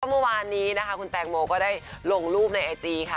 เมื่อวานนี้นะคะคุณแตงโมก็ได้ลงรูปในไอจีค่ะ